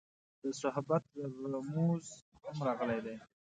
د صحبت رموز هم راغلي دي.